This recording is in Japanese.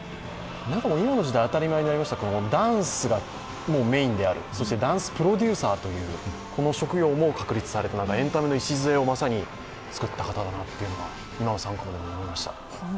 今の時代当たり前になりました、ダンスがメインである、そしてダンスプロデューサーという職業も確立された、エンタメの礎をまさに作った方なんだなと今の３コマで思いました。